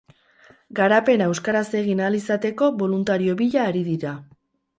Garapena euskaraz egin ahal izateko, boluntario bila ari dira.